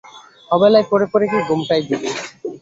অবেলায় পড়ে পড়ে কি ঘুমটাই দিলি?